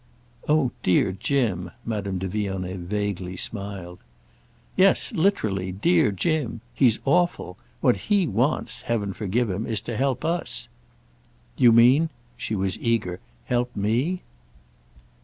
"Oh dear Jim!" Madame de Vionnet vaguely smiled. "Yes, literally—dear Jim! He's awful. What he wants, heaven forgive him, is to help us." "You mean"—she was eager—"help _me?